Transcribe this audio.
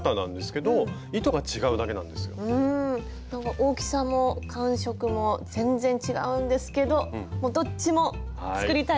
大きさも感触も全然違うんですけどどっちも作りたいです。